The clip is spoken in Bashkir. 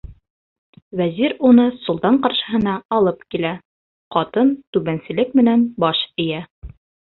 Вәзир уны солтан ҡаршыһына алып килә, ҡатын түбәнселек менән баш эйә.